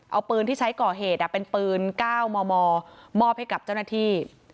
เอาปืนที่ใช้ก่อเหตุเป็นปืน๙มมมอบให้กับเจ้าหน้าที่